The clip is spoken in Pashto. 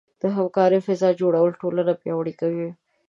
د همکارۍ فضاء جوړول ټولنه پیاوړې کوي.